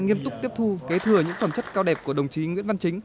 nghiêm túc tiếp thu kế thừa những phẩm chất cao đẹp của đồng chí nguyễn văn chính